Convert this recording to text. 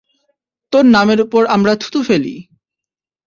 তোর নামের উপর আমরা থু থু ফেলি।